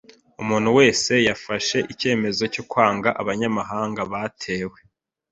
Umuntu wese yafashe icyemezo cyo kwanga abanyamahanga batemewe.